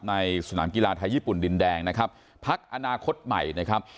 สนามกีฬาไทยญี่ปุ่นดินแดงนะครับพักอนาคตใหม่นะครับ